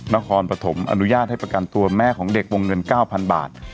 นครปฐมอนุญาตให้ประกันตัวแม่ของเด็กวงเงิน๙๐๐บาท